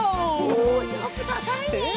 おジャンプたかいね！